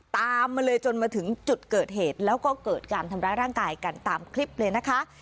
ตามมาเลยจนมาถึงจุดเกิดเหตุแล้วก็เกิดการทำร้ายร่างกายกันตามคลิปเลยนะคะ